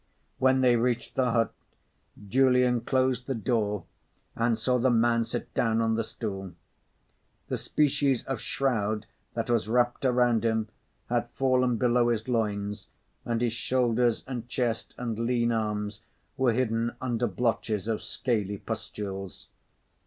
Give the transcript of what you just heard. When they reached the hut, Julian closed the door and saw the man sit down on the stool. The species of shroud that was wrapped around him had fallen below his loins, and his shoulders and chest and lean arms were hidden under blotches of scaly pustules.